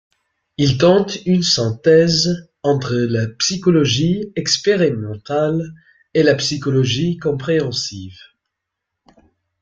Il tente une synthèse entre la psychologie expérimentale et la psychologie compréhensive.